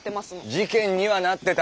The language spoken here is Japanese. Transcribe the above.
事件にはなってた。